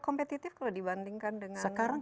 kompetitif kalau dibandingkan dengan